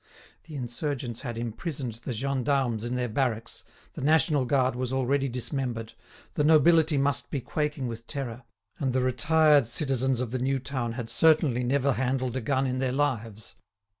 The insurgents had imprisoned the gendarmes in their barracks, the National Guard was already dismembered, the nobility must be quaking with terror, and the retired citizens of the new town had certainly never handled a gun in their lives.